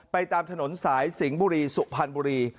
ตามถนนสายสิงห์บุรีสุพรรณบุรี